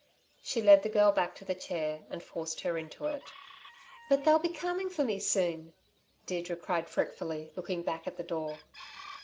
She led the girl back to the chair, and forced her into it. "But they'll be coming for me soon," Deirdre cried fretfully, looking back at the door.